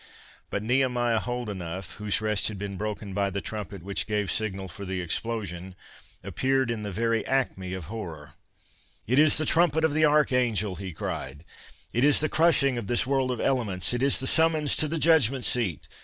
But Nehemiah Holdenough, whose rest had been broken by the trumpet which gave signal for the explosion, appeared in the very acme of horror—"It is the trumpet of the Archangel!" he cried,—"it is the crushing of this world of elements—it is the summons to the Judgment seat!